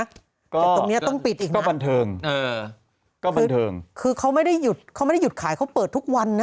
แต่ตรงนี้ต้องปิดอีกนะคือเขาไม่ได้หยุดขายเขาเปิดทุกวันนะ